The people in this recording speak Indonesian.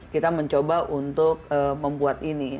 kita mencoba untuk membuat ini